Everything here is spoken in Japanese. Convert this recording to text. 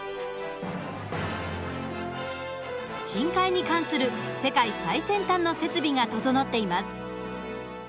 深海に関する世界最先端の設備が整っています。